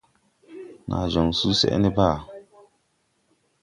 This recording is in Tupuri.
Naa jɔŋ susɛʼ ne Bàa.